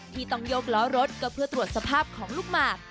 ที่ต้องยกล้อรถก็เพื่อตรวจสภาพของลูกหมาก